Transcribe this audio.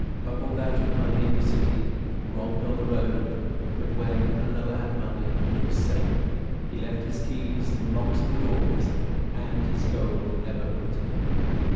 Bubbled out of money in the City; robbed on the road; but when another had money, it was safe; he left his keys in the locks of both doors, and his gold never quitted him.